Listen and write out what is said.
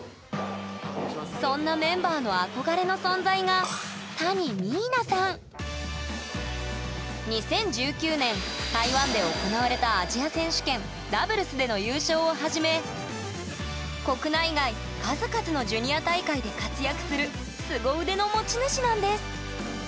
そんなメンバーの憧れの存在が２０１９年台湾で行われたアジア選手権ダブルスでの優勝をはじめ国内外数々のジュニア大会で活躍するスゴ腕の持ち主なんです！